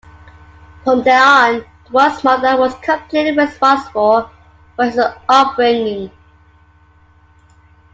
From then on, the boy's mother was completely responsible for his upbringing.